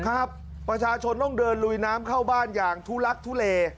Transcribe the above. ประชาชนต้องเดินลุยน้ำเข้าบ้านอย่างทุลักทุเล